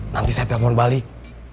nanti saya telepon balik